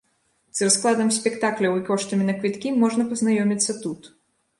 З раскладам спектакляў і коштамі на квіткі можна пазнаёміцца тут.